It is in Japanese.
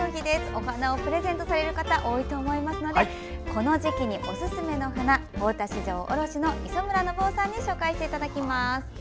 お花をプレゼントされる方多いと思いますのでこの時期におすすめの花大田市場、卸の磯村信夫さんに紹介していただきます。